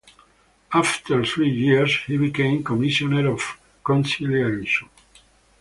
After three years he became Commissioner of Conciliation.